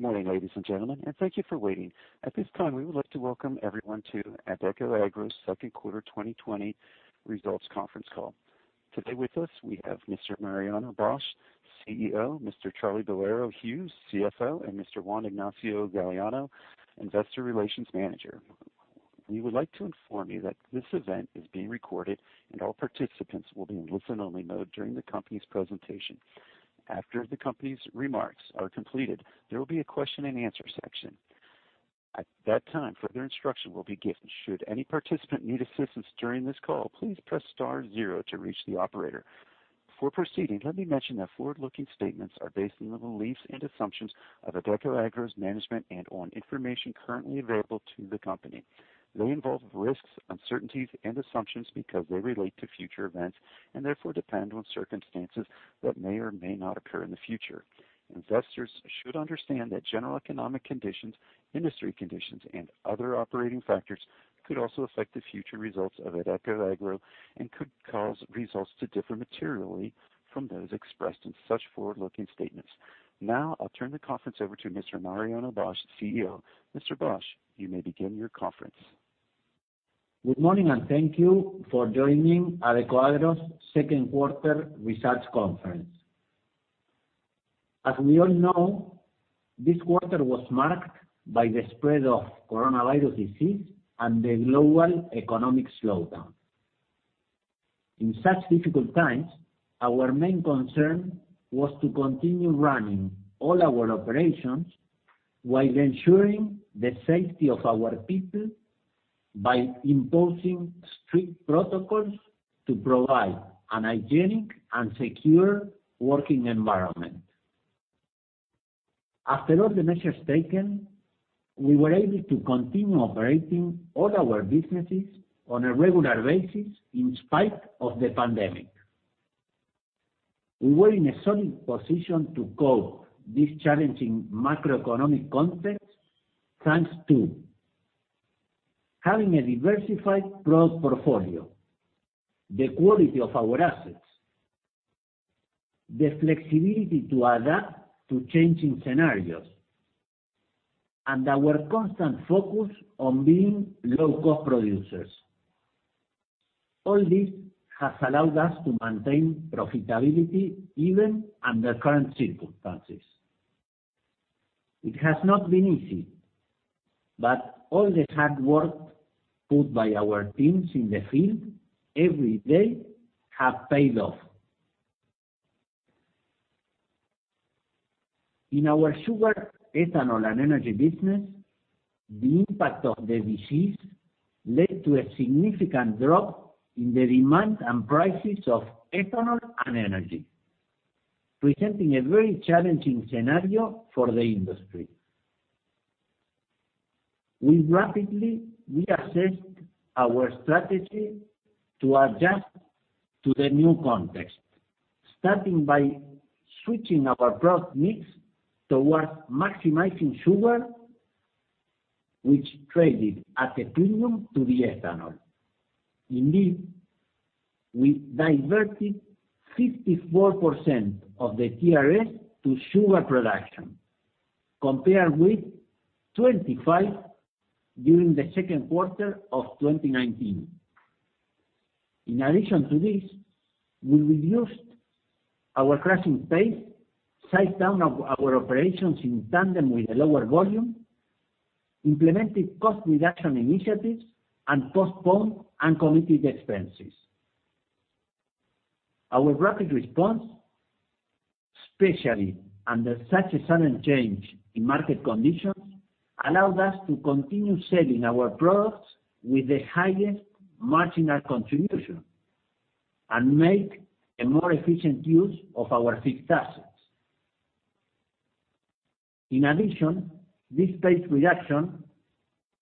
Morning, ladies and gentlemen, and thank you for waiting. At this time, we would like to welcome everyone to Adecoagro's second quarter 2020 results conference call. Today with us, we have Mr. Mariano Bosch, CEO, Mr. Charlie Boero Hughes, CFO, and Mr. Juan Ignacio Galleano, Investor Relations Manager. We would like to inform you that this event is being recorded, and all participants will be in listen-only mode during the company's presentation. After the company's remarks are completed, there will be a question and answer section. At that time, further instruction will be given. Should any participant need assistance during this call, please press star zero to reach the operator. Before proceeding, let me mention that forward-looking statements are based on the beliefs and assumptions of Adecoagro's management and on information currently available to the company. They involve risks, uncertainties, and assumptions because they relate to future events and therefore depend on circumstances that may or may not occur in the future. Investors should understand that general economic conditions, industry conditions, and other operating factors could also affect the future results of Adecoagro and could cause results to differ materially from those expressed in such forward-looking statements. Now I'll turn the conference over to Mr. Mariano Bosch, CEO. Mr. Bosch, you may begin your conference. Good morning, and thank you for joining Adecoagro's second quarter results conference. As we all know, this quarter was marked by the spread of COVID-19 and the global economic slowdown. In such difficult times, our main concern was to continue running all our operations while ensuring the safety of our people by imposing strict protocols to provide a hygienic and secure working environment. After all the measures taken, we were able to continue operating all our businesses on a regular basis in spite of the pandemic. We were in a solid position to cope with this challenging macroeconomic context, thanks to having a diversified product portfolio, the quality of our assets, the flexibility to adapt to changing scenarios, and our constant focus on being low-cost producers. All this has allowed us to maintain profitability even under current circumstances. It has not been easy, but all the hard work put in by our teams in the field every day has paid off. In our sugar, ethanol, and energy business, the impact of the disease led to a significant drop in the demand and prices of ethanol and energy, presenting a very challenging scenario for the industry. We rapidly reassessed our strategy to adapt to the new context, starting by switching our product mix towards maximizing sugar, which traded at a premium to the ethanol. Indeed, we diverted 54% of the TRS to sugar production, compared with 25% during the second quarter of 2019. In addition to this, we reduced our crushing pace, sized down our operations in tandem with a lower volume, implemented cost reduction initiatives, and postponed uncommitted expenses. Our rapid response, especially under such a sudden change in market conditions, allowed us to continue selling our products with the highest marginal contribution and make a more efficient use of our fixed assets. In addition, this paced reduction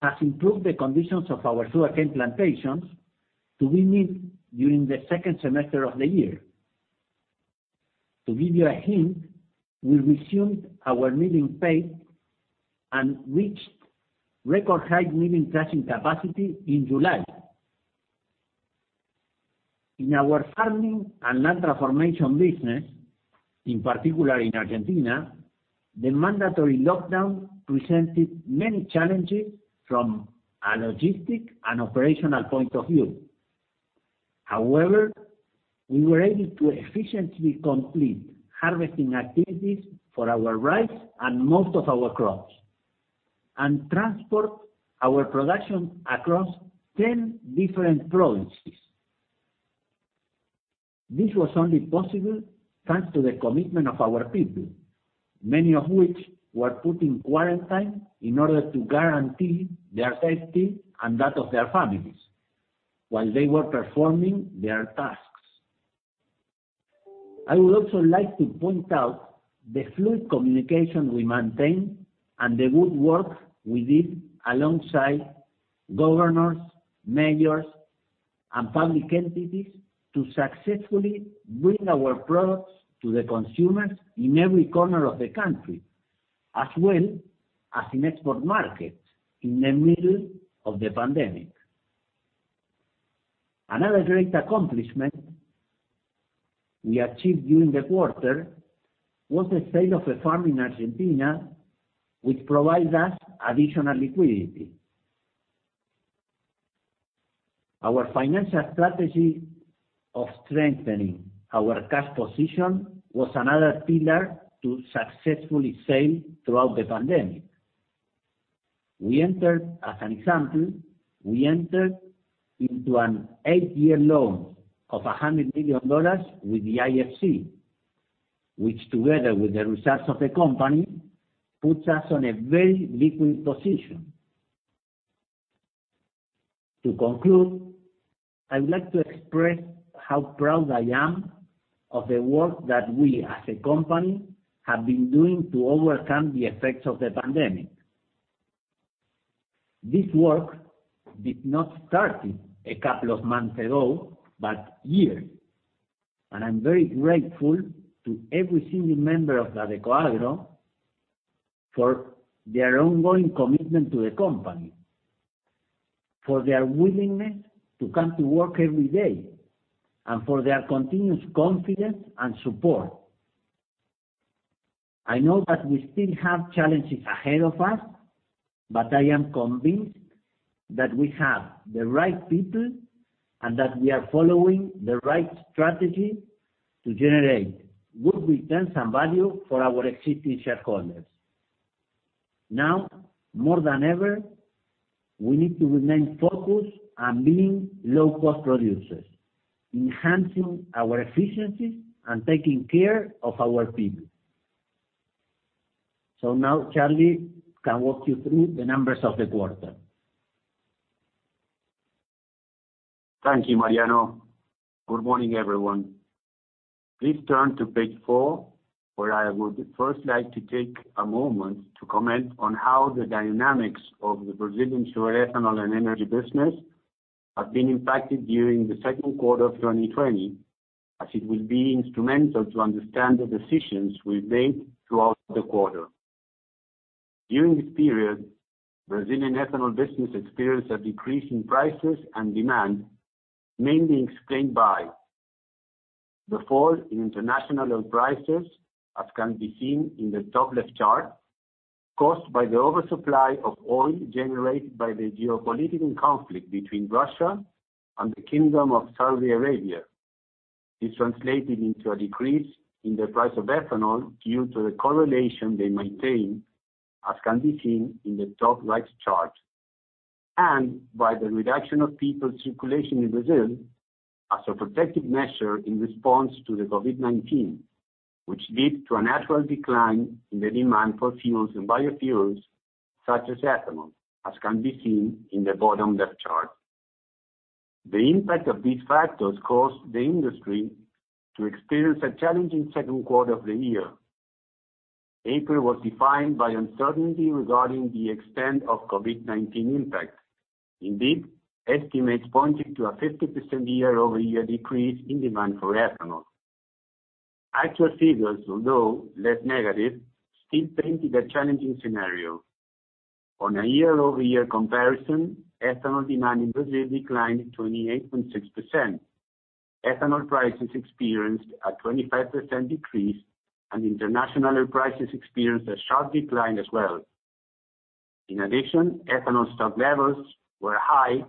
has improved the conditions of our sugarcane plantations to regrow during the second semester of the year. To give you a hint, we resumed our milling pace and reached record high milling crushing capacity in July. In our farming and land transformation business, in particular in Argentina, the mandatory lockdown presented many challenges from a logistical and operational point of view. However, we were able to efficiently complete harvesting activities for our rice and most of our crops and transport our production across 10 different provinces. This was only possible thanks to the commitment of our people, many of whom were put in quarantine in order to guarantee their safety and that of their families while they were performing their tasks. I would also like to point out the fluid communication we maintained and the good work we did alongside governors, mayors, and public entities to successfully bring our products to the consumers in every corner of the country, as well as in export markets in the middle of the pandemic. Another great accomplishment we achieved during the quarter was the sale of a farm in Argentina, which provided us additional liquidity. Our financial strategy of strengthening our cash position was another pillar to successfully sell throughout the pandemic. As an example, we entered into an eight-year loan of $100 million with the IFC, which together with the results of the company, puts us on a very liquid position. To conclude, I would like to express how proud I am of the work that we, as a company, have been doing to overcome the effects of the pandemic. This work did not start a couple of months ago, but years. I'm very grateful to every single member of Adecoagro for their ongoing commitment to the company, for their willingness to come to work every day, and for their continuous confidence and support. I know that we still have challenges ahead of us. I am convinced that we have the right people and that we are following the right strategy to generate good returns and value for our existing shareholders. Now more than ever, we need to remain focused on being low-cost producers, enhancing our efficiencies, and taking care of our people. Now Charlie can walk you through the numbers of the quarter. Thank you, Mariano. Good morning, everyone. Please turn to page four, where I would first like to take a moment to comment on how the dynamics of the Brazilian sugar, ethanol, and energy business have been impacted during the second quarter of 2020, as it will be instrumental to understand the decisions we've made throughout the quarter. During this period, Brazilian ethanol business experienced a decrease in prices and demand, mainly explained by the fall in international oil prices, as can be seen in the top left chart, caused by the oversupply of oil generated by the geopolitical conflict between Russia and the Kingdom of Saudi Arabia. This translated into a decrease in the price of ethanol due to the correlation they maintain, as can be seen in the top right chart, and by the reduction of people's circulation in Brazil as a protective measure in response to the COVID-19, which led to a natural decline in the demand for fuels and biofuels such as ethanol, as can be seen in the bottom left chart. The impact of these factors caused the industry to experience a challenging second quarter of the year. April was defined by uncertainty regarding the extent of COVID-19 impact. Indeed, estimates pointed to a 50% year-over-year decrease in demand for ethanol. Actual figures, although less negative, still painted a challenging scenario. On a year-over-year comparison, ethanol demand in Brazil declined 28.6%. Ethanol prices experienced a 25% decrease, and international oil prices experienced a sharp decline as well. In addition, ethanol stock levels were high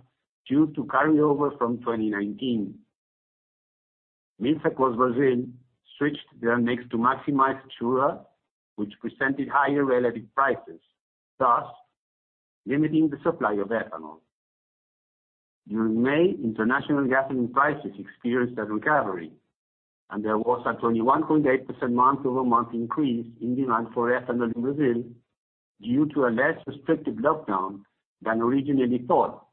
due to carryover from 2019. Mills across Brazil switched their mix to maximize sugar, which presented higher relative prices, thus limiting the supply of ethanol. During May, international gasoline prices experienced a recovery, and there was a 21.8% month-over-month increase in demand for ethanol in Brazil due to a less restrictive lockdown than originally thought,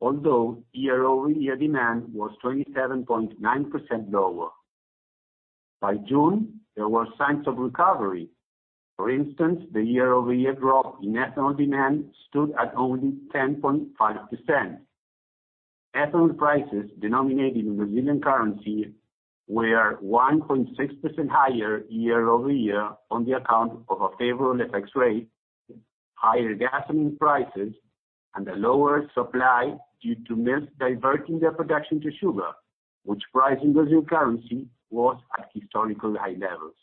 although year-over-year demand was 27.9% lower. By June, there were signs of recovery. For instance, the year-over-year drop in ethanol demand stood at only 10.5%. Ethanol prices denominated in Brazilian currency were 1.6% higher year-over-year on the account of a favorable FX rate, higher gasoline prices, and a lower supply due to mills diverting their production to sugar, which price in Brazilian currency was at historical high levels.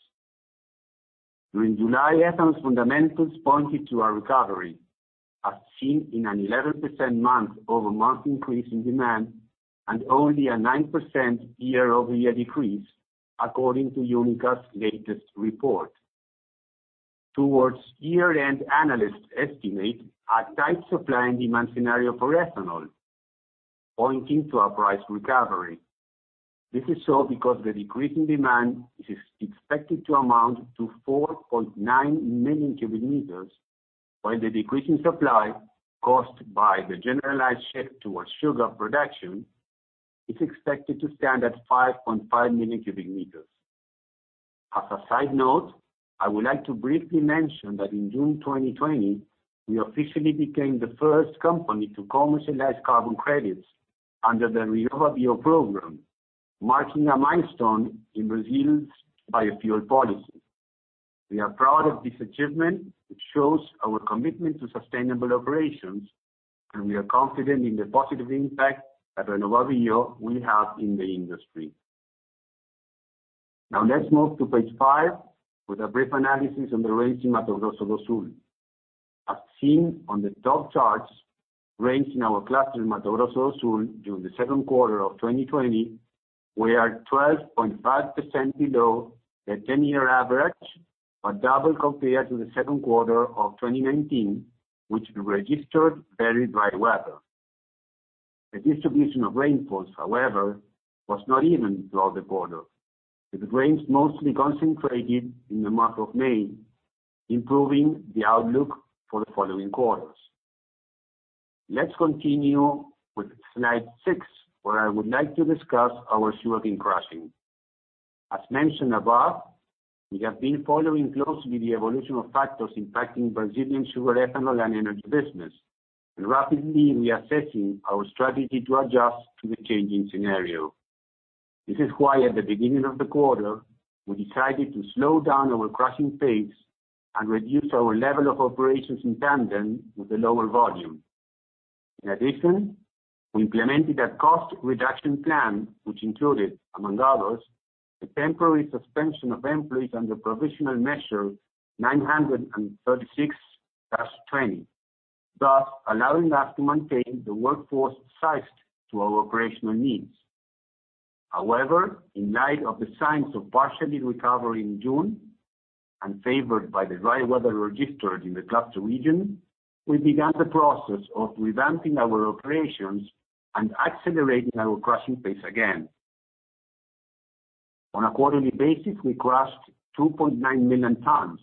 During July, ethanol fundamentals pointed to a recovery, as seen in an 11% month-over-month increase in demand and only a 9% year-over-year decrease, according to UNICA's latest report. Towards year-end, analysts estimate a tight supply and demand scenario for ethanol, pointing to a price recovery. This is so because the decrease in demand is expected to amount to 4.9 million cubic meters, while the decrease in supply, caused by the generalized shift towards sugar production, is expected to stand at 5.5 million cubic meters. As a side note, I would like to briefly mention that in June 2020, we officially became the first company to commercialize carbon credits under the RenovaBio program, marking a milestone in Brazil's biofuel policy. We are proud of this achievement, which shows our commitment to sustainable operations, and we are confident in the positive impact that RenovaBio will have in the industry. Now let's move to page five with a brief analysis on the rains in Mato Grosso do Sul. As seen on the top charts, rains in our cluster in Mato Grosso do Sul during the second quarter of 2020 were 12.5% below the 10-year average, but double compared to the second quarter of 2019, which registered very dry weather. The distribution of rainfalls, however, was not even throughout the quarter, with rains mostly concentrated in the month of May, improving the outlook for the following quarters. Let's continue with slide six, where I would like to discuss our sugarcane crushing. As mentioned above, we have been following closely the evolution of factors impacting Brazilian sugar, ethanol, and energy business and rapidly reassessing our strategy to adjust to the changing scenario. This is why at the beginning of the quarter, we decided to slow down our crushing pace and reduce our level of operations in tandem with the lower volume. In addition, we implemented a cost reduction plan, which included, among others, the temporary suspension of employees under Provisional Measure 936/20, thus allowing us to maintain the workforce sized to our operational needs. However, in light of the signs of partially recovery in June, unfavored by the dry weather registered in the cluster region, we began the process of revamping our operations and accelerating our crushing pace again. On a quarterly basis, we crushed 2.9 million tons,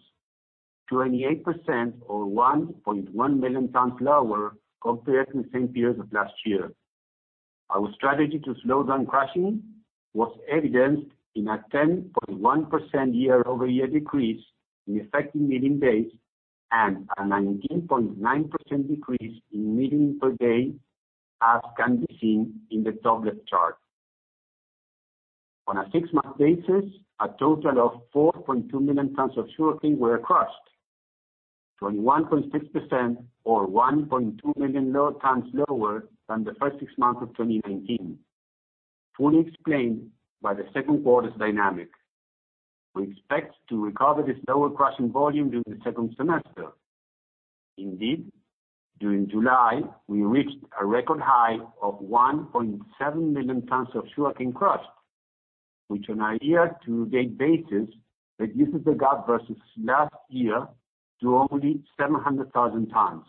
28% or 1.1 million tons lower compared to the same period of last year. Our strategy to slow down crushing was evidenced in a 10.1% year-over-year decrease in effective milling days and a 19.9% decrease in milling per day, as can be seen in the top left chart. On a six-month basis, a total of 4.2 million tons of sugarcane were crushed, 21.6% or 1.2 million tons lower than the first six months of 2019, fully explained by the second quarter's dynamic. We expect to recover this lower crushing volume during the second semester. Indeed, during July, we reached a record high of 1.7 million tons of sugarcane crushed, which on a year-to-date basis reduces the gap versus last year to only 700,000 tons.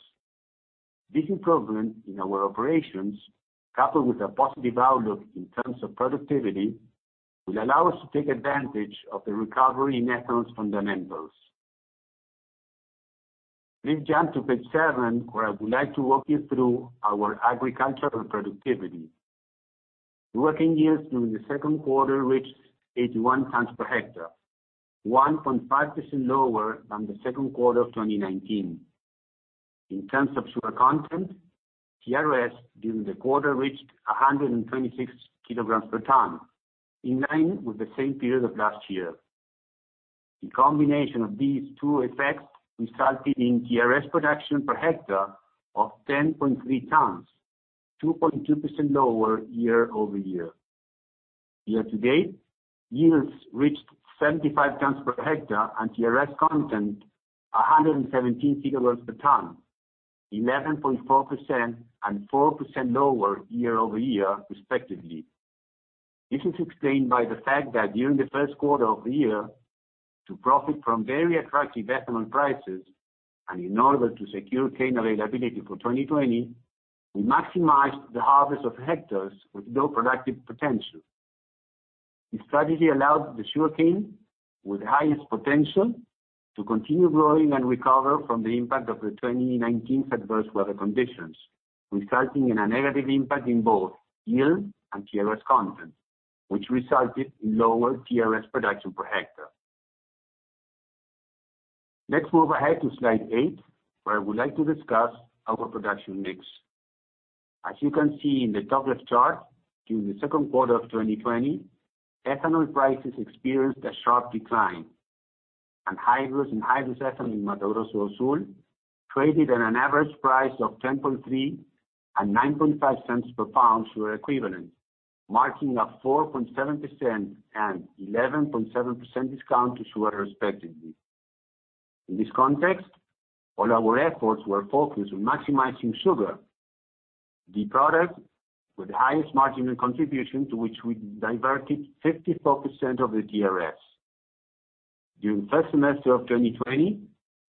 This improvement in our operations, coupled with a positive outlook in terms of productivity, will allow us to take advantage of the recovery in ethanol's fundamentals. Please jump to page seven, where I would like to walk you through our agricultural productivity. Sugarcane yields during the second quarter reached 81 tons per hectare, 1.5% lower than the second quarter of 2019. In terms of sugar content, TRS during the quarter reached 126 kg/ton, in line with the same period of last year. The combination of these two effects resulted in TRS production per hectare of 10.3 tons, 2.2% lower year-over-year. Year-to-date, yields reached 75 tons per hectare and TRS content 117 kilograms per ton, 11.4% and 4% lower year-over-year respectively. This is explained by the fact that during the first quarter of the year, to profit from very attractive ethanol prices and in order to secure cane availability for 2020, we maximized the harvest of hectares with low productive potential. This strategy allowed the sugarcane with the highest potential to continue growing and recover from the impact of the 2019 adverse weather conditions, resulting in a negative impact in both yield and TRS content, which resulted in lower TRS production per hectare. Let's move ahead to slide eight, where I would like to discuss our production mix. As you can see in the top left chart, during the second quarter of 2020, ethanol prices experienced a sharp decline, and hydrous and anhydrous ethanol in Mato Grosso do Sul traded at an average price of $0.103 and $0.095 per pound sugar equivalent, marking a 4.7% and 11.7% discount to sugar respectively. In this context, all our efforts were focused on maximizing sugar, the product with the highest marginal contribution to which we diverted 54% of the TRS. During the first semester of 2020,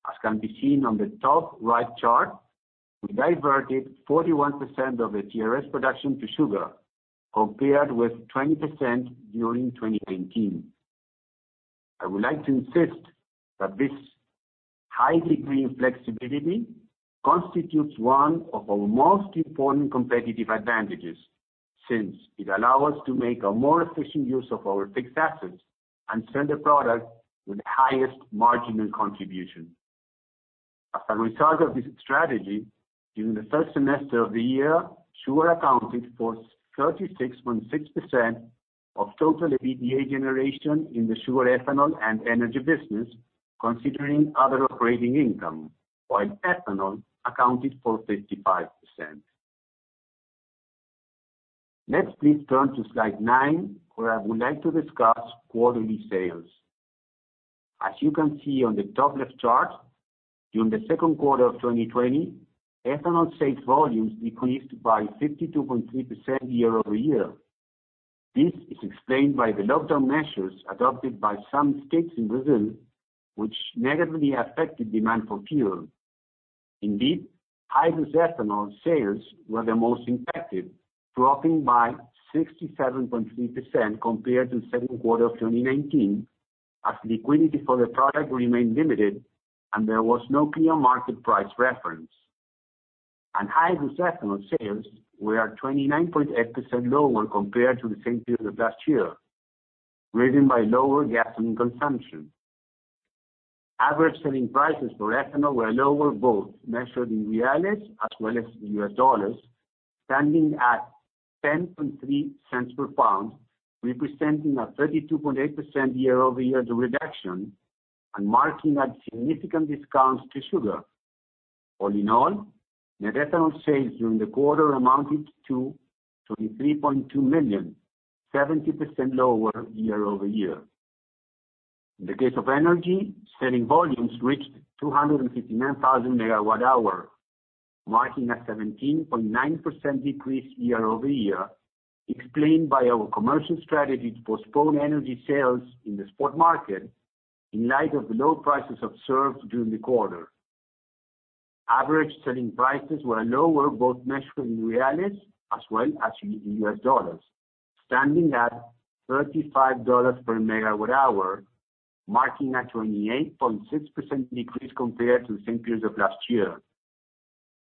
as can be seen on the top right chart, we diverted 41% of the TRS production to sugar compared with 20% during 2019. I would like to insist that this high degree of flexibility constitutes one of our most important competitive advantages, since it allow us to make a more efficient use of our fixed assets and sell the product with the highest marginal contribution. As a result of this strategy, during the first semester of the year, sugar accounted for 36.6% of total EBITDA generation in the sugar, ethanol, and energy business, considering other operating income, while ethanol accounted for 35%. Let's please turn to slide nine, where I would like to discuss quarterly sales. As you can see on the top left chart, during the second quarter of 2020, ethanol sales volumes decreased by 52.3% year-over-year. This is explained by the lockdown measures adopted by some states in Brazil, which negatively affected demand for fuel. Indeed, hydrous ethanol sales were the most impacted, dropping by 67.3% compared to the second quarter of 2019, as liquidity for the product remained limited and there was no clear market price reference. Anhydrous ethanol sales were at 29.8% lower compared to the same period of last year, driven by lower gasoline consumption. Average selling prices for ethanol were lower, both measured in BRL as well as USD, standing at $0.103 per pound, representing a 32.8% year-over-year reduction and marking a significant discount to sugar. All in all, net ethanol sales during the quarter amounted to $23.2 million, 70% lower year-over-year. In the case of energy, selling volumes reached 259,000 MWh, marking a 17.9% decrease year-over-year, explained by our commercial strategy to postpone energy sales in the spot market in light of the low prices observed during the quarter. Average selling prices were lower, both measured in BRL as well as US dollars, standing at $35 per MWh, marking a 28.6% decrease compared to the same period of last year.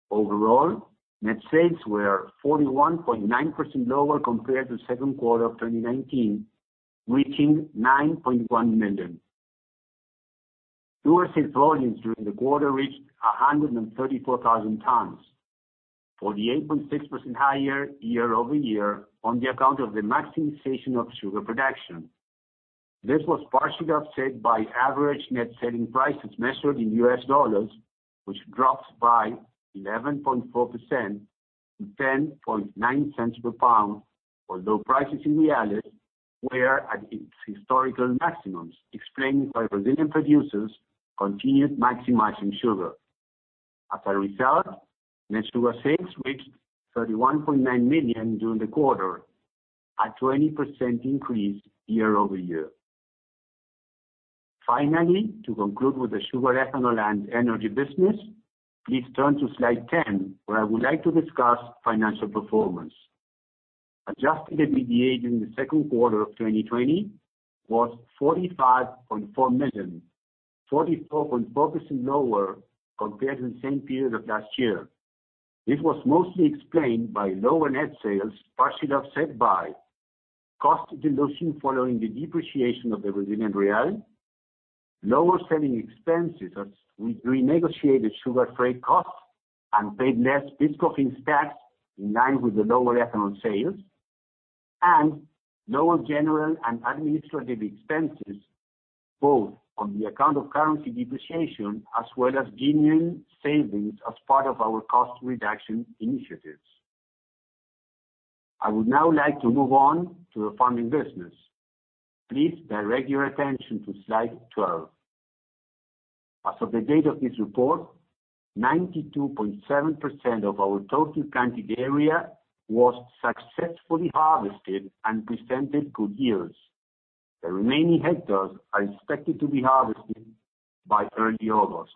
Overall, net sales were 41.9% lower compared to second quarter of 2019, reaching $9.1 million. Sugar sales volumes during the quarter reached 134,000 tons, 48.6% higher year-over-year on the account of the maximization of sugar production. This was partially offset by average net selling prices measured in US dollars, which dropped by 11.4% to $0.109 per pound, although prices in BRL were at its historical maximums, explained by Brazilian producers continued maximizing sugar. As a result, net sugar sales reached $31.9 million during the quarter, a 20% increase year-over-year. Finally, to conclude with the sugar, ethanol, and energy business, please turn to slide 10, where I would like to discuss financial performance. Adjusted EBITDA during the second quarter of 2020 was $45.4 million, 44.4% lower compared to the same period of last year. This was mostly explained by lower net sales, partially offset by cost reduction following the depreciation of the Brazilian real, lower selling expenses as we renegotiated sugar freight costs and paid less PIS/COFINS tax in line with the lower ethanol sales, and lower general and administrative expenses, both on the account of currency depreciation as well as genuine savings as part of our cost reduction initiatives. I would now like to move on to the farming business. Please direct your attention to slide 12. As of the date of this report, 92.7% of our total planted area was successfully harvested and presented good yields. The remaining hectares are expected to be harvested by early August.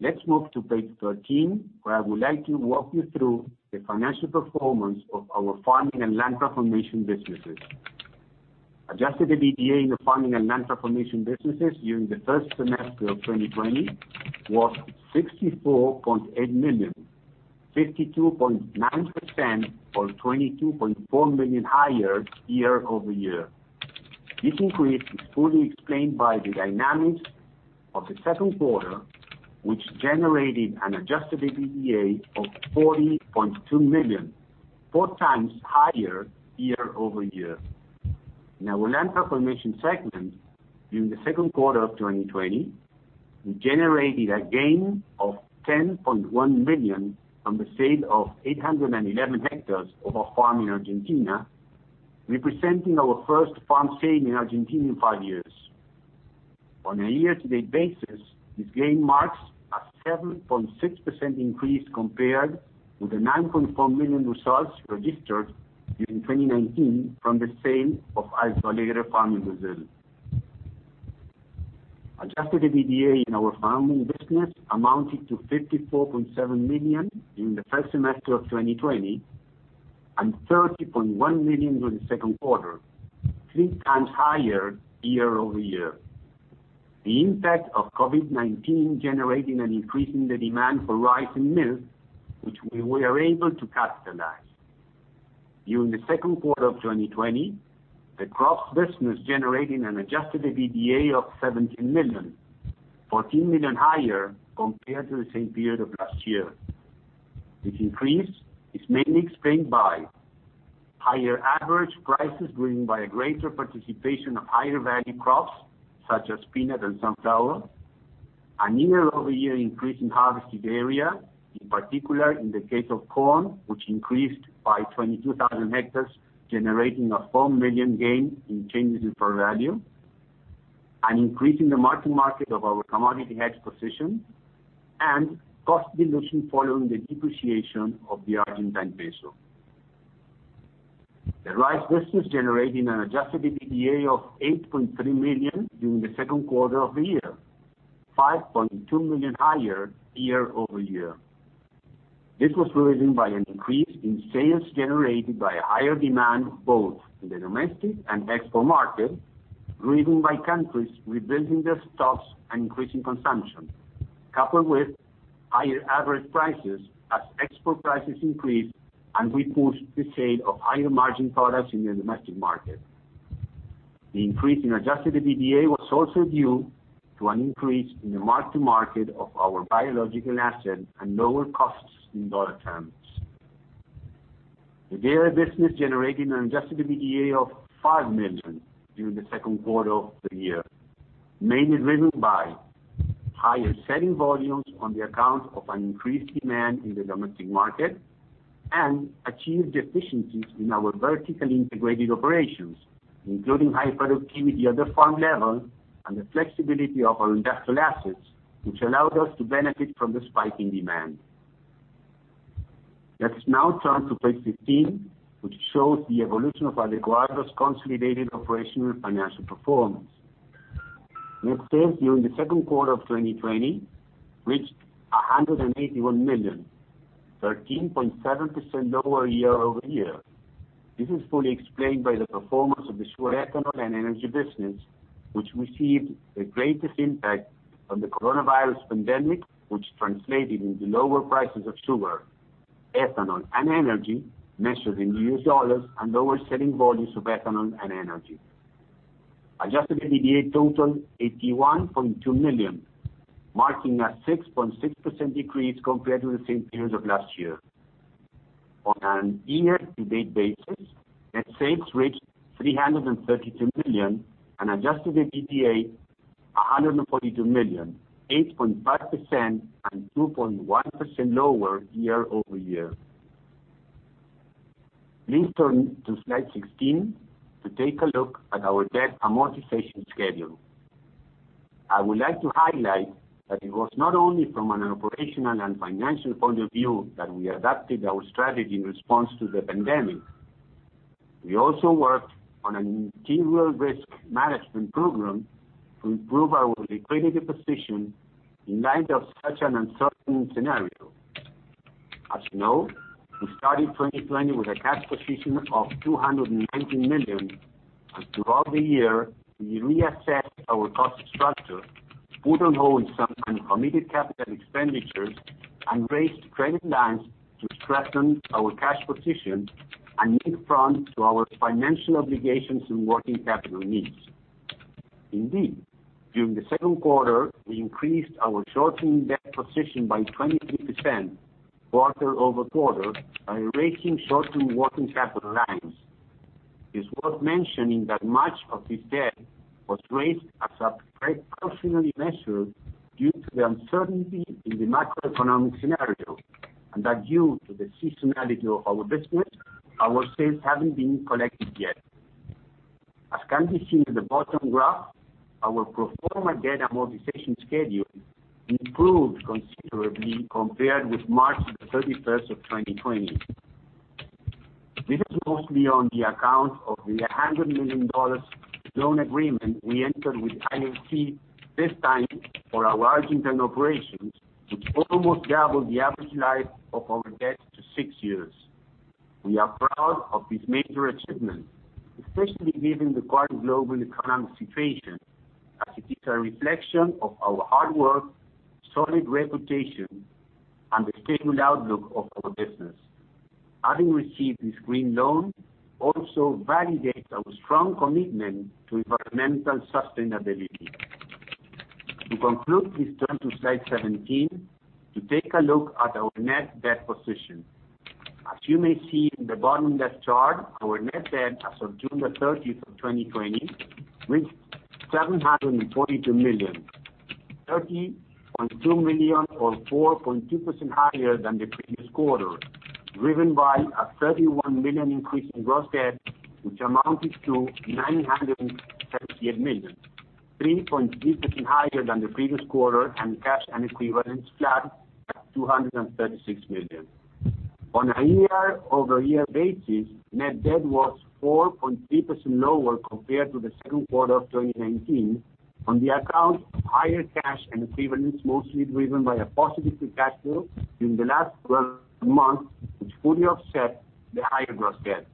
Let's move to page 13, where I would like to walk you through the financial performance of our farming and land transformation businesses. Adjusted EBITDA in the farming and land transformation businesses during the first semester of 2020 was $64.8 million, 52.9% or $22.4 million higher year-over-year. This increase is fully explained by the dynamics of the second quarter, which generated an adjusted EBITDA of $40.2 million, 4x higher year-over-year. In our land transformation segment, during the second quarter of 2020, we generated a gain of $10.1 million from the sale of 811 hectares of a farm in Argentina, representing our first farm sale in Argentina in five years. On a year-to-date basis, this gain marks a 7.6% increase compared with the $9.4 million results registered during 2019 from the sale of Valeira Farm in Brazil. Adjusted EBITDA in our farming business amounted to $54.7 million during the first semester of 2020 and $30.1 million during the second quarter, three times higher year-over-year. The impact of COVID-19 generating an increase in the demand for rice and milk, which we were able to capitalize. During the second quarter of 2020, the crops business generating an adjusted EBITDA of $17 million, $14 million higher compared to the same period of last year. This increase is mainly explained by higher average prices driven by a greater participation of higher value crops, such as peanut and sunflower. A year-over-year increase in harvested area, in particular in the case of corn, which increased by 22,000 hectares, generating a $4 million gain in changes in fair value. An increase in the mark-to-market of our commodity hedge position, and cost dilution following the depreciation of the Argentine peso. The rice business generating an adjusted EBITDA of $8.3 million during the second quarter of the year, $5.2 million higher year-over-year. This was driven by an increase in sales generated by a higher demand, both in the domestic and export market, driven by countries rebuilding their stocks and increasing consumption, coupled with higher average prices as export prices increased, and we pushed the sale of higher margin products in the domestic market. The increase in adjusted EBITDA was also due to an increase in the mark-to-market of our biological assets and lower costs in dollar terms. The dairy business generating an adjusted EBITDA of $5 million during the second quarter of the year, mainly driven by higher selling volumes on the account of an increased demand in the domestic market, and achieved efficiencies in our vertically integrated operations, including high productivity at the farm level and the flexibility of our industrial assets, which allowed us to benefit from the spike in demand. Let's now turn to page 15, which shows the evolution of Adecoagro's consolidated operational and financial performance. Net sales during the second quarter of 2020 reached $181 million, 13.7% lower year-over-year. This is fully explained by the performance of the sugar, ethanol, and energy business, which received the greatest impact of the coronavirus pandemic, which translated into lower prices of sugar, ethanol, and energy measured in US dollars, and lower selling volumes of ethanol and energy. Adjusted EBITDA totaled $81.2 million, marking a 6.6% decrease compared to the same period of last year. On an year-to-date basis, net sales reached $332 million, and adjusted EBITDA, $142 million, 8.5% and 2.1% lower year-over-year. Please turn to slide 16 to take a look at our debt amortization schedule. I would like to highlight that it was not only from an operational and financial point of view that we adapted our strategy in response to the pandemic. We also worked on an integral risk management program to improve our liquidity position in light of such an uncertain scenario. As you know, we started 2020 with a cash position of $219 million, and throughout the year, we reassessed our cost structure, put on hold some uncommitted capital expenditures, and raised credit lines to strengthen our cash position and meet front to our financial obligations and working capital needs. Indeed, during the second quarter, we increased our short-term debt position by 23% quarter-over-quarter by raising short-term working capital lines. It's worth mentioning that much of this debt was raised as a precautionary measure due to the uncertainty in the macroeconomic scenario, and that due to the seasonality of our business, our sales haven't been collected yet. As can be seen in the bottom graph, our pro forma debt amortization schedule improved considerably compared with March 31st of 2020. This is mostly on the account of the $100 million loan agreement we entered with IFC, this time for our Argentine operations, which almost doubled the average life of our debt to six years. We are proud of this major achievement, especially given the current global economic situation, as it is a reflection of our hard work, solid reputation, and the stable outlook of our business. Having received this green loan also validates our strong commitment to environmental sustainability. To conclude, please turn to slide 17 to take a look at our net debt position. As you may see in the bottom left chart, our net debt as of June 30th of 2020 reached $742 million, $30.2 million, or 4.2% higher than the previous quarter, driven by a $31 million increase in gross debt, which amounted to $938 million, 3.3% higher than the previous quarter, and cash and equivalents flat at $236 million. On a year-over-year basis, net debt was 4.3% lower compared to the second quarter of 2019 on the account of higher cash and equivalents, mostly driven by a positive free cash flow during the last 12 months, which fully offset the higher gross debt.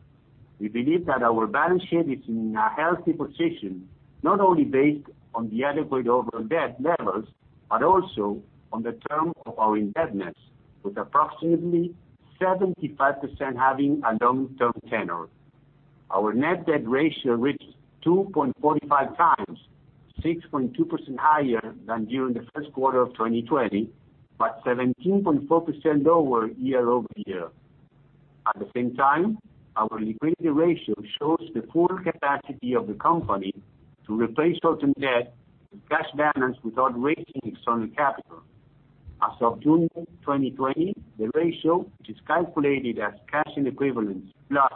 We believe that our balance sheet is in a healthy position, not only based on the adequate overall debt levels, but also on the term of our indebtedness, with approximately 75% having a long-term tenor. Our net debt ratio reached 2.45x, 6.2% higher than during the first quarter of 2020, but 17.4% lower year-over-year. At the same time, our liquidity ratio shows the full capacity of the company to replace certain debt with cash balance without raising external capital. As of June 2020, the ratio, which is calculated as cash and equivalents, plus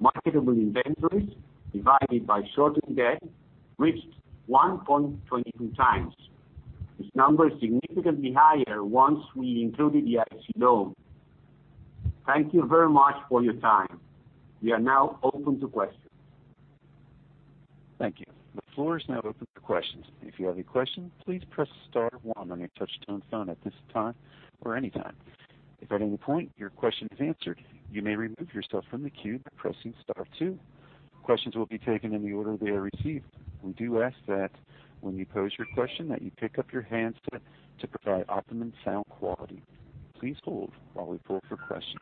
marketable inventories divided by short-term debt, reached 1.22x. This number is significantly higher once we included the IFC loan. Thank you very much for your time. We are now open to questions. Thank you . The floor is now open to questions. If you have any questions, please press star one on your touchtone phone at this time or any time. If at any point your question is answered, you may remove yourself from the queue by pressing star two. Questions will be taken in the order they are received. We do ask that when you pose your question that you pick up your hands to provide optimum sound quality. Please hold while we pull for questions.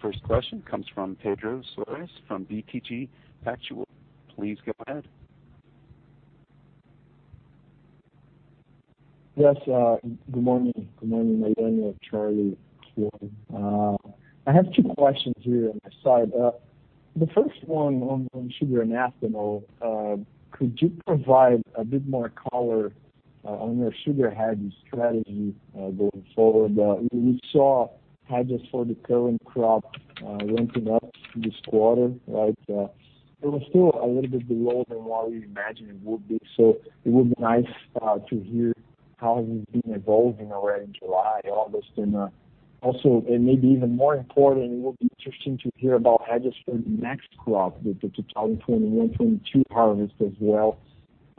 The first question comes from Pedro Soares from BTG Pactual. Please go ahead. Yes. Good morning. Good morning, Mariano, Charlie, Juan. I have two questions here on the side. The first one on sugar and ethanol. Could you provide a bit more color on your sugar hedging strategy going forward? We saw hedges for the current crop ramping up this quarter, right? It was still a little bit below than what we imagined it would be, so it would be nice to hear how it has been evolving already in July, August. Also, and maybe even more important, it will be interesting to hear about hedges for the next crop with the 2021, 2022 harvest as well.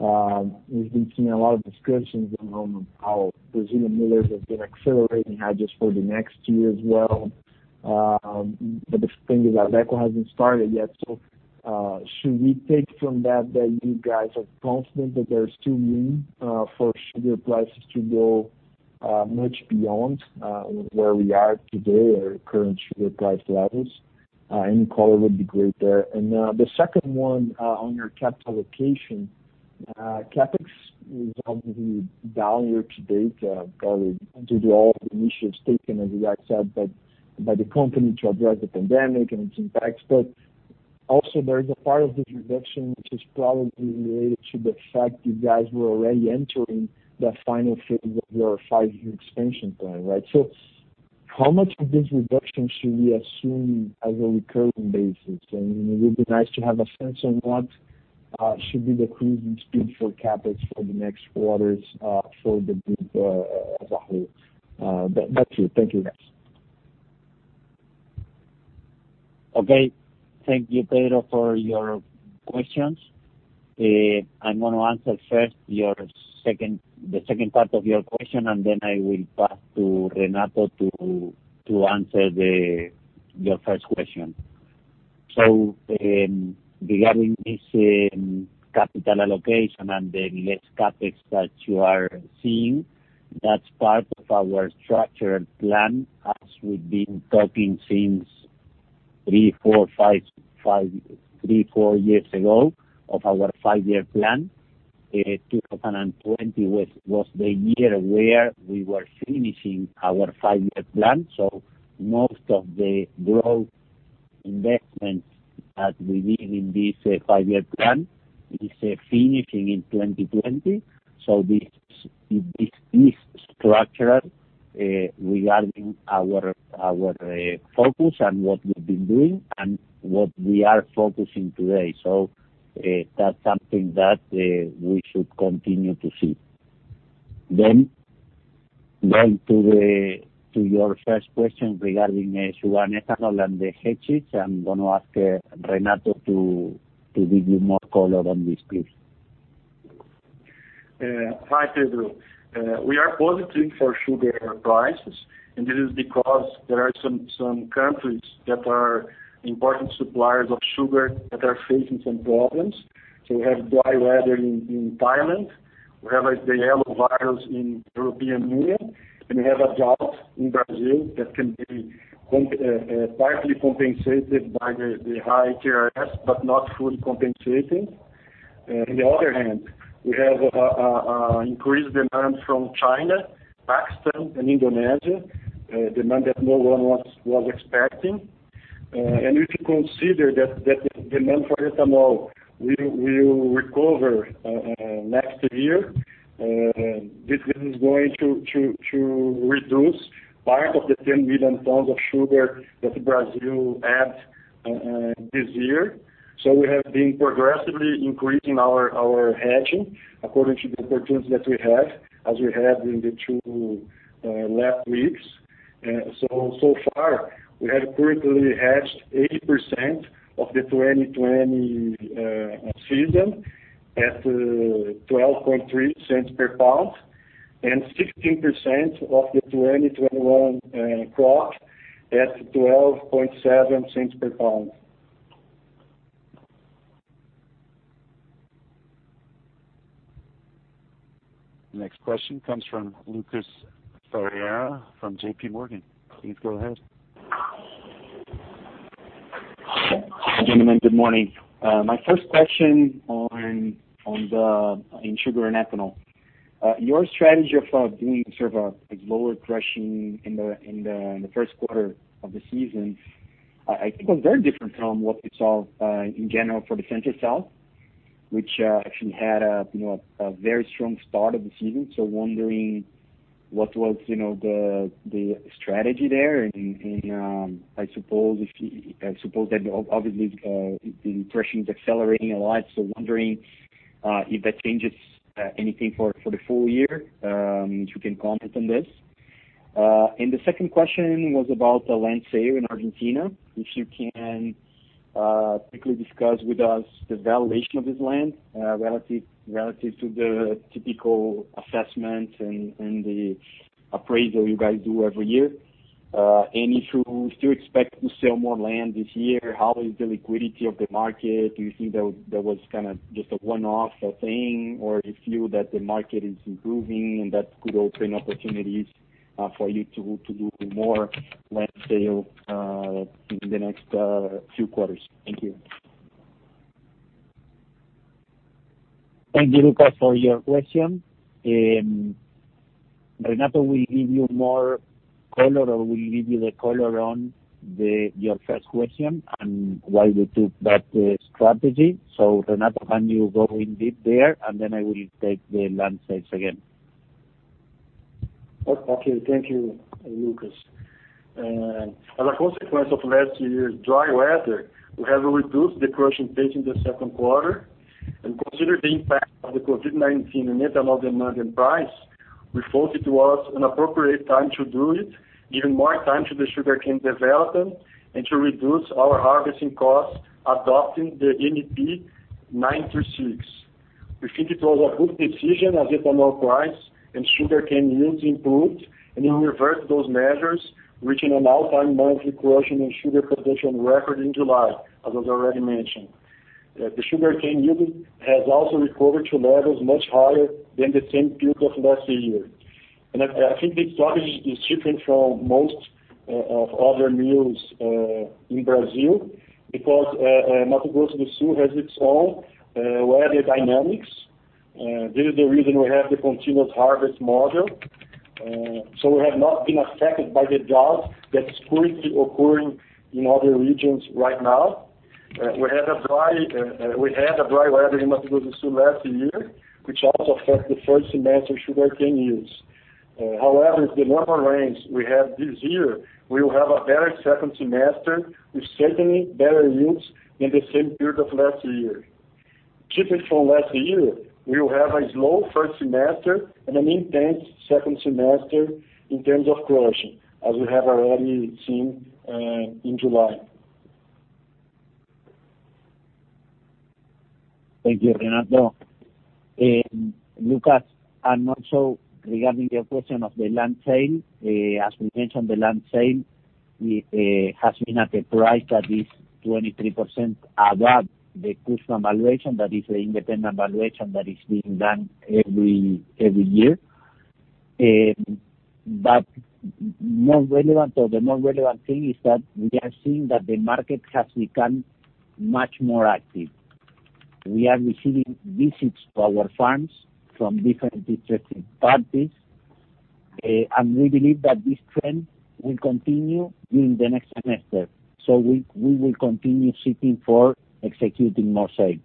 We've been seeing a lot of discussions at the moment how Brazilian millers have been accelerating hedges for the next year as well. The thing is that Adecoagro hasn't started yet. Should we take from that you guys are confident that there is still room for sugar prices to go much beyond where we are today or current sugar price levels? Any color would be great there. The second one, on your capital allocation. CapEx is obviously down year-to-date, probably due to all the initiatives taken, as you guys said, by the company to address the pandemic and its impacts. Also there is a part of this reduction which is probably related to the fact you guys were already entering the final phase of your five-year expansion plan, right? How much of this reduction should we assume as a recurring basis? It would be nice to have a sense on what should be the cruising speed for CapEx for the next quarters for the group as a whole. That's it. Thank you, guys. Okay. Thank you, Pedro, for your questions. I'm going to answer first the second part of your question. Then I will pass to Renato to answer your first question. Regarding this capital allocation and the less CapEx that you are seeing, that's part of our structural plan as we've been talking since three, four years ago of our five-year plan. 2020 was the year where we were finishing our five-year plan. Most of the growth investments that we did in this five-year plan is finishing in 2020. This is structural regarding our focus and what we've been doing and what we are focusing today. That's something that we should continue to see. To your first question regarding sugar and ethanol and the hedges, I'm going to ask Renato to give you more color on this, please. Hi, Pedro. We are positive for sugar prices. This is because there are some countries that are important suppliers of sugar that are facing some problems. We have dry weather in Thailand. We have the yellows virus in European Union. We have a drought in Brazil that can be partly compensated by the high TRS, but not fully compensated. If you consider that the demand for ethanol will recover next year, this is going to reduce part of the 10 million tons of sugar that Brazil had this year. We have been progressively increasing our hedging according to the opportunities that we have, as we had in the two last weeks. Far, we have currently hedged 80% of the 2020 season at $0.123 per pound, and 16% of the 2021 crop at $0.127 per pound. Next question comes from Lucas Ferreira from JPMorgan. Please go ahead. Gentlemen, good morning. My first question on the sugar and ethanol. Your strategy of doing sort of a lower crushing in the first quarter of the season, I think was very different from what we saw in general for the Central South, which actually had a very strong start of the season. Wondering what was the strategy there, and I suppose that obviously the crushing is accelerating a lot, so wondering if that changes anything for the full year, if you can comment on this. The second question was about the land sale in Argentina. If you can quickly discuss with us the valuation of this land relative to the typical assessment and the appraisal you guys do every year. If you still expect to sell more land this year, how is the liquidity of the market? Do you think that was kind of just a one-off thing, or do you feel that the market is improving and that could open opportunities for you to do more land sale in the next few quarters? Thank you. Thank you, Lucas, for your question. Renato will give you more color, or will give you the color on your first question and why we took that strategy. Renato, can you go in deep there, and then I will take the land sales again. Okay. Thank you, Lucas. As a consequence of last year's dry weather, we have reduced the crushing pace in the second quarter and considered the impact of the COVID-19 in ethanol demand and price. We thought it was an appropriate time to do it, giving more time to the sugarcane development and to reduce our harvesting costs, adopting the MP 936. We think it was a good decision as ethanol price and sugarcane yields improved, and we reversed those measures, reaching an all-time monthly crushing and sugar production record in July, as was already mentioned. The sugarcane yield has also recovered to levels much higher than the same period of last year. I think this strategy is different from most of other mills in Brazil because Mato Grosso do Sul has its own weather dynamics. This is the reason we have the continuous harvest model. We have not been affected by the drought that's currently occurring in other regions right now. We had a dry weather in Mato Grosso do Sul last year, which also affected the first semester sugarcane yields. However, with the normal rains we have this year, we will have a better second semester with certainly better yields in the same period of last year. Keeping from last year, we will have a slow first semester and an intense second semester in terms of crushing, as we have already seen in July. Thank you, Renato. Lucas, also regarding your question of the land sale, as we mentioned, the land sale has been at a price that is 23% above the custom valuation. That is the independent valuation that is being done every year. The more relevant thing is that we are seeing that the market has become much more active. We are receiving visits to our farms from different interested parties. We believe that this trend will continue during the next semester. We will continue seeking for executing more sales.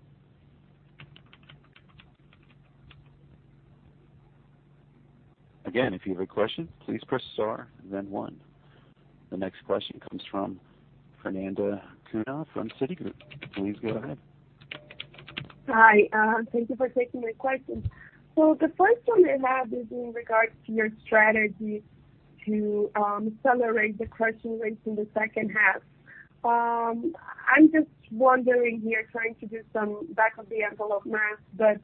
Again, if you have a question, please press star and then one. The next question comes from Fernanda Cunha from Citigroup. Please go ahead. Hi. Thank you for taking my questions. The first one I have is in regards to your strategy to accelerate the crushing rates in the second half. I'm just wondering here, trying to do some back of the envelope math, but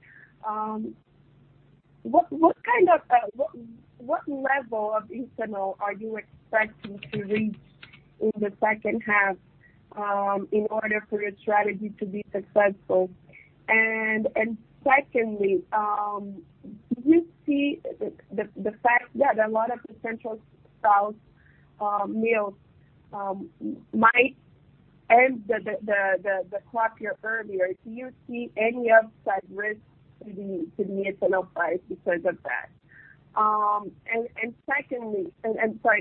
what level of ethanol are you expecting to reach in the second half in order for your strategy to be successful? Secondly, do you see the fact that a lot of the Central South mills might end the crop year earlier? Do you see any upside risk to the ethanol price because of that? Sorry,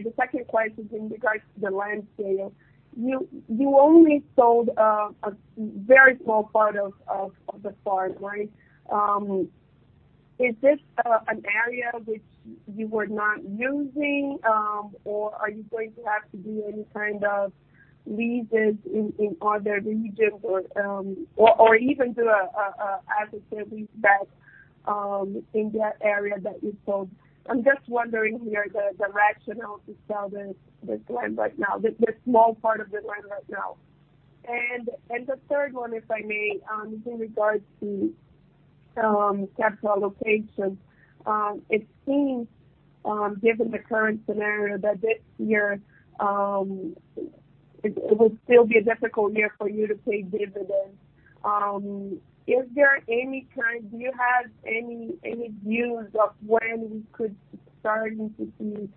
the second question is in regards to the land sale. You only sold a very small part of the farm, right? Is this an area which you were not using, or are you going to have to do any kind of leases in other regions or even do an asset leaseback? In that area that you sold. I'm just wondering here the rationale to sell this land right now, this small part of the land right now. The third one, if I may, is in regards to capital allocation. It seems, given the current scenario, that this year it will still be a difficult year for you to pay dividends. Do you have any views of when we could starting to see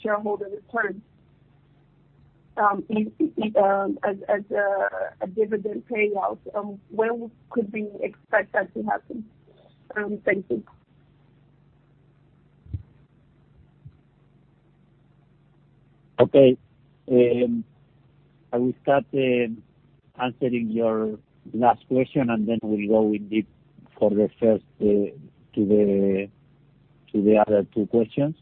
shareholder returns as a dividend payout? When could we expect that to happen? Thank you. Okay. I will start answering your last question, then we'll go indeed for the first to the other two questions.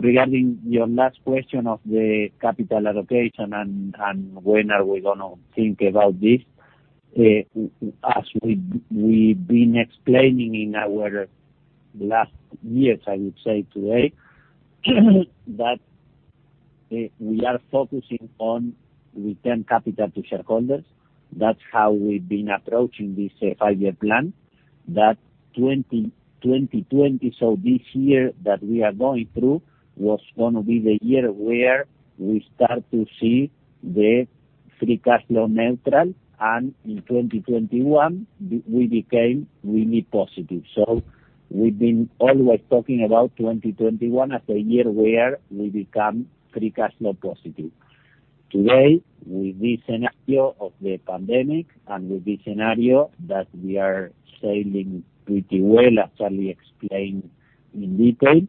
Regarding your last question of the capital allocation and when are we going to think about this, as we've been explaining in our last years, I would say today, that we are focusing on return capital to shareholders. That's how we've been approaching this five-year plan. That 2020, this year that we are going through, was going to be the year where we start to see the free cash flow neutral, in 2021, we became really positive. We've been always talking about 2021 as a year where we become free cash flow positive. Today, with this scenario of the pandemic and with this scenario that we are sailing pretty well, as Charlie explained in detail,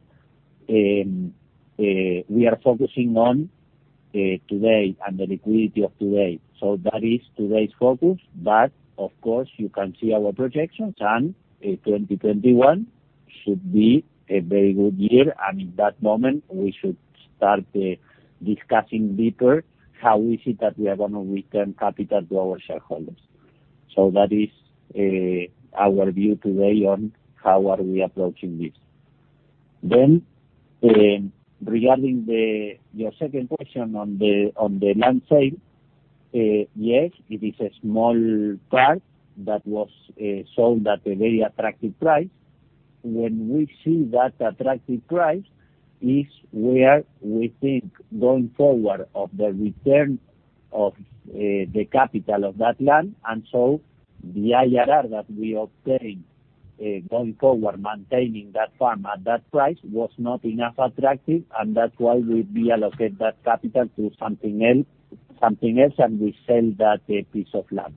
we are focusing on today and the liquidity of today. That is today's focus. Of course, you can see our projections, and 2021 should be a very good year. In that moment, we should start discussing deeper how is it that we are going to return capital to our shareholders. That is our view today on how are we approaching this. Regarding your second question on the land sale. Yes, it is a small part that was sold at a very attractive price. When we see that attractive price, is where we think going forward of the return of the capital of that land, and so the IRR that we obtain going forward, maintaining that farm at that price, was not enough attractive, and that's why we reallocate that capital to something else, and we sell that piece of land.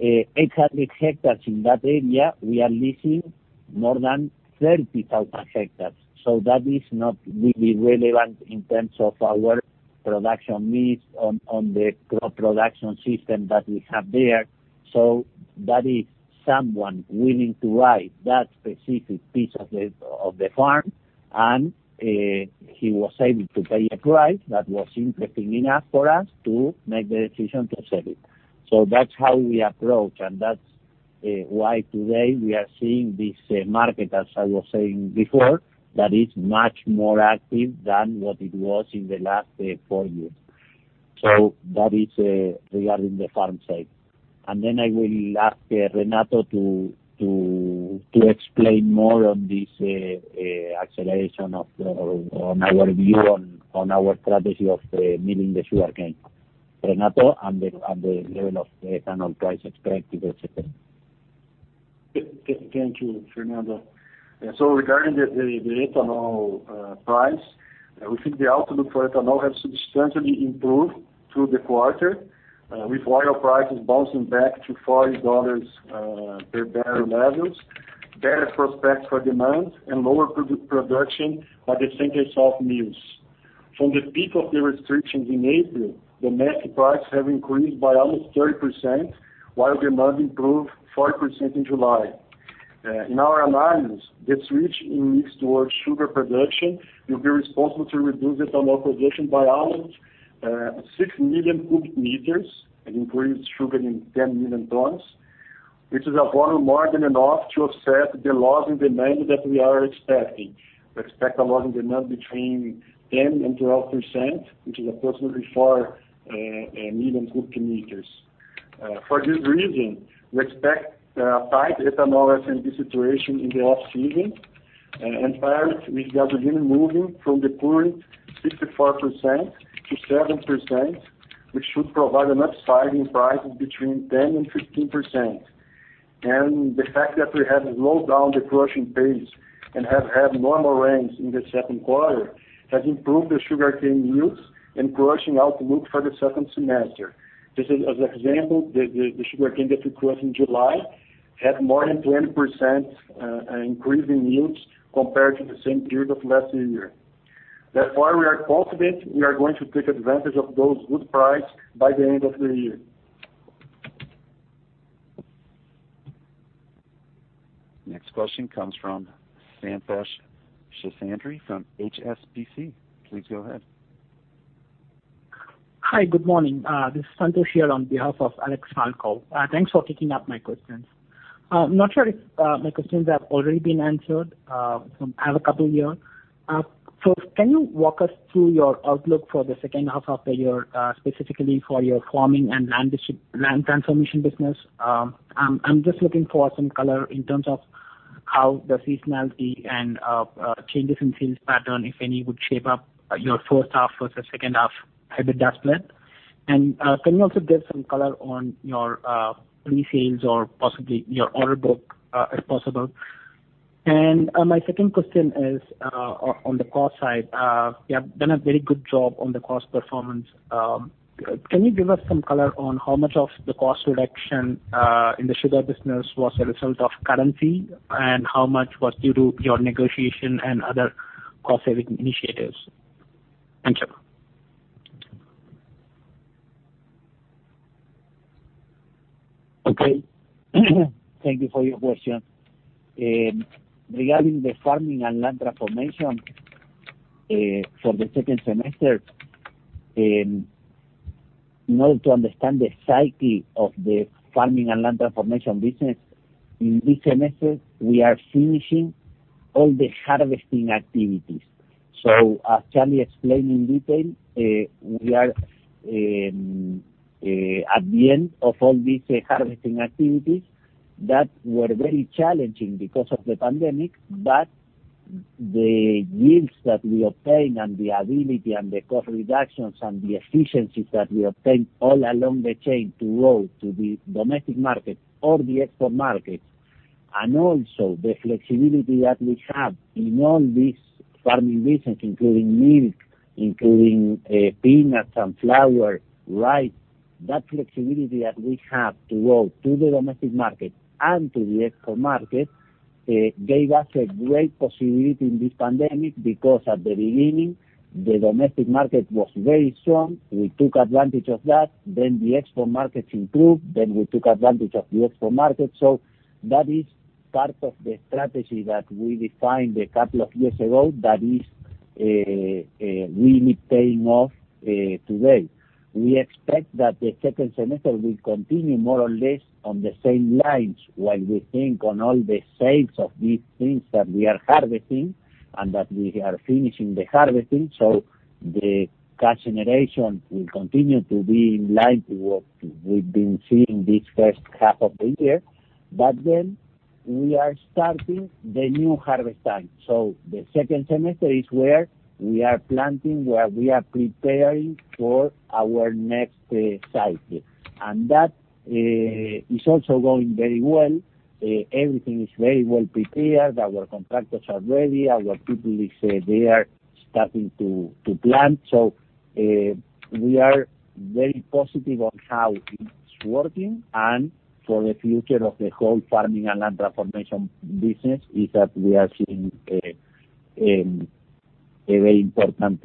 800 hectares in that area, we are leasing more than 30,000 hectares. That is not really relevant in terms of our production needs on the crop production system that we have there. That is someone willing to buy that specific piece of the farm, and he was able to pay a price that was interesting enough for us to make the decision to sell it. That's how we approach, and that's why today we are seeing this market, as I was saying before, that is much more active than what it was in the last four years. That is regarding the farm side. I will ask Renato to explain more on this acceleration on our view on our strategy of milling the sugarcane. Renato, the level of ethanol price expected, et cetera. Thank you, Fernanda. Regarding the ethanol price, we think the outlook for ethanol has substantially improved through the quarter, with oil prices bouncing back to $40 per barrel levels, better prospects for demand, and lower production are the Centro-Sul mills. From the peak of the restrictions in April, the max price have increased by almost 30%, while demand improved 4% in July. In our analysis, the switch in mix towards sugar production will be responsible to reduce ethanol production by almost 6 million cubic meters and increase sugar in 10 million tons, which is more than enough to offset the loss in demand that we are expecting. We expect a loss in demand between 10%-12%, which is approximately 4 million cubic meters. For this reason, we expect a tight ethanol S&D situation in the off-season, and parity with gasoline moving from the current 64% to 7%, which should provide an upside in prices between 10% and 15%. The fact that we have slowed down the crushing pace and have had normal rains in the second quarter has improved the sugarcane yields and crushing outlook for the second semester. As example, the sugarcane that we crushed in July had more than 20% increase in yields compared to the same period of last year. Therefore, we are confident we are going to take advantage of those good price by the end of the year. Next question comes from Santhosh Seshadri from HSBC. Please go ahead. Hi, good morning. This is Santhosh here on behalf of Alex Falcao. Thanks for taking up my questions. Not sure if my questions have already been answered. I have a couple here. Can you walk us through your outlook for the second half of the year, specifically for your farming and land transformation business? I'm just looking for some color in terms of how the seasonality and changes in sales pattern, if any, would shape up your first half versus second half EBITDA split. Can you also give some color on your pre-sales or possibly your order book, if possible? My second question is on the cost side. You have done a very good job on the cost performance. Can you give us some color on how much of the cost reduction in the sugar business was a result of currency, and how much was due to your negotiation and other cost-saving initiatives? Thank you. Okay. Thank you for your question. Regarding the farming and land transformation, for the second semester, in order to understand the cycle of the farming and land transformation business, in this semester, we are finishing all the harvesting activities. As Charlie explained in detail, we are at the end of all these harvesting activities that were very challenging because of the pandemic, but the yields that we obtain and the ability and the cost reductions and the efficiencies that we obtain all along the chain to go to the domestic market or the export market. Also the flexibility that we have in all these farming business, including milk, including peanuts and flour, rice, that flexibility that we have to go to the domestic market and to the export market, gave us a great possibility in this pandemic because at the beginning, the domestic market was very strong. We took advantage of that. The export markets improved, then we took advantage of the export market. That is part of the strategy that we defined a couple of years ago that is really paying off today. We expect that the second semester will continue more or less on the same lines while we think on all the sales of these things that we are harvesting and that we are finishing the harvesting. The cash generation will continue to be in line to what we've been seeing this first half of the year. We are starting the new harvest time. The second semester is where we are planting, where we are preparing for our next cycle. That is also going very well. Everything is very well prepared. Our contractors are ready. Our people is there starting to plant. We are very positive on how it's working and for the future of the whole farming and land transformation business is that we are seeing a very important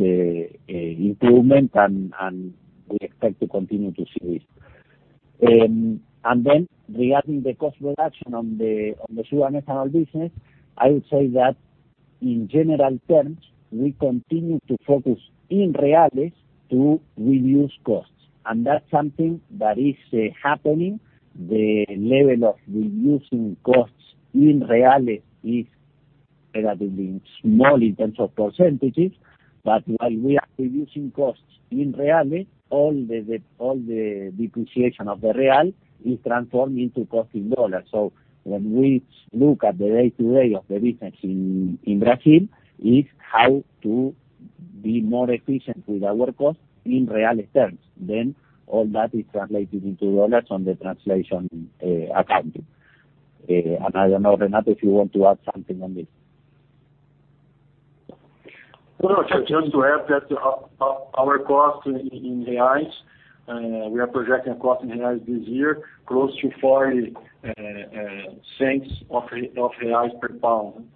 improvement and we expect to continue to see this. Regarding the cost reduction on the sugar and ethanol business, I would say that in general terms, we continue to focus in BRL to reduce costs. That's something that is happening. The level of reducing costs in BRL is relatively small in terms of percentages, but while we are reducing costs in BRL, all the depreciation of the BRL is transformed into cost in US dollar. When we look at the day-to-day of the business in Brazil, it's how to be more efficient with our cost in BRL terms. All that is translated into US dollars on the translation accounting. I don't know, Renato, if you want to add something on this? Well, just to add that our cost in reais, we are projecting a cost in reais this year close to 0.40 per pound.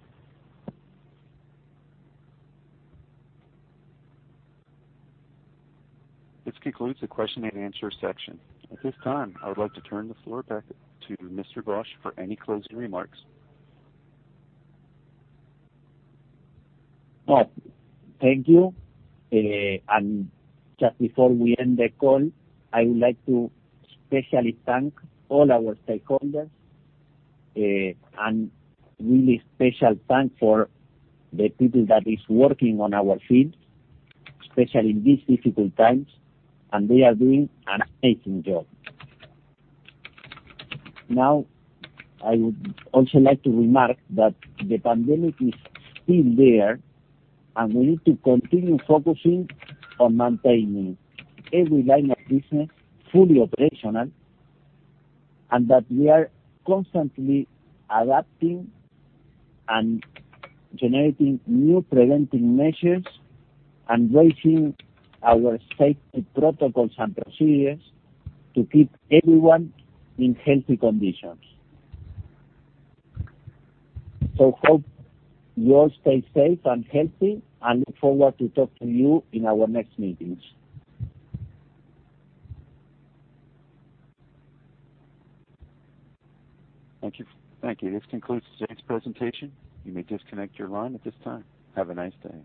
This concludes the question and answer section. At this time, I would like to turn the floor back to Mr. Bosch for any closing remarks. Oh, thank you. Just before we end the call, I would like to specially thank all our stakeholders, and really special thanks for the people that is working on our fields, especially in these difficult times, and they are doing an amazing job. I would also like to remark that the pandemic is still there, and we need to continue focusing on maintaining every line of business fully operational, and that we are constantly adapting and generating new preventive measures and raising our safety protocols and procedures to keep everyone in healthy conditions. Hope you all stay safe and healthy, and look forward to talk to you in our next meetings. Thank you. This concludes today's presentation. You may disconnect your line at this time. Have a nice day.